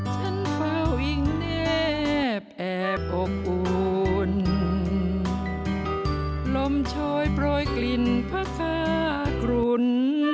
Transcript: เฝ้ายิ่งแน่แอบอบอุ่นลมชอยโปรยกลิ่นพระคากรุน